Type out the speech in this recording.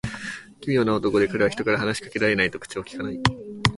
奇妙な男で、彼は人から話し掛けられないと口をきかない。